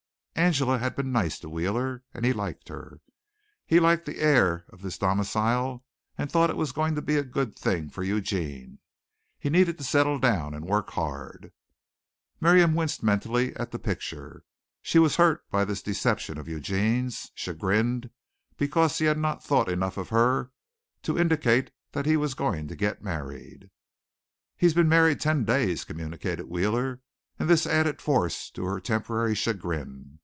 Angela had been nice to Wheeler and he liked her. He liked the air of this domicile and thought it was going to be a good thing for Eugene. He needed to settle down and work hard. Miriam winced mentally at the picture. She was hurt by this deception of Eugene's, chagrined because he had not thought enough of her even to indicate that he was going to get married. "He's been married ten days," communicated Wheeler, and this added force to her temporary chagrin.